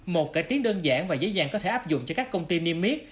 một cải tiến đơn giản và dễ dàng có thể áp dụng cho các công ty niêm miết